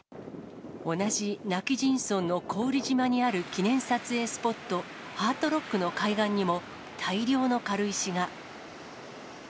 同じ今帰仁村の古宇利島にある記念撮影スポット、ハートロックの海岸にも、大量の軽石が。